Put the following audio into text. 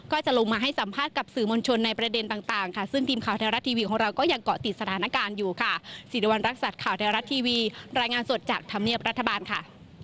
ก็จะลงมาให้สัมภาษณ์กับสื่อมวลชนในประเด็นต่างค่ะซึ่งทีมข่าวไทยรัฐทีวีของเราก็ยังเกาะติดสถานการณ์อยู่ค่ะสิริวัณรักษัตริย์ข่าวไทยรัฐทีวีรายงานสดจากธรรมเนียบรัฐบาลค่ะ